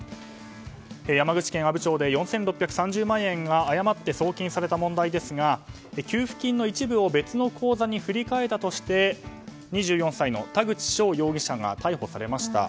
山口県阿武町で４６３０万円が誤って送金された問題ですが給付金の一部を別の口座に振り替えたとして２４歳の田口翔容疑者が逮捕されました。